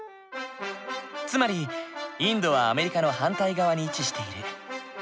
つまりインドはアメリカの反対側に位置している。